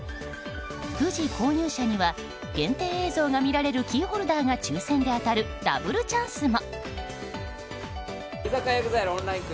くじ購入者には限定映像が見られるキーホルダーが抽選で当たるダブルチャンスも。